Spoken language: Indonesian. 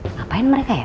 ngapain mereka ya